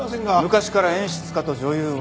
昔から演出家と女優は。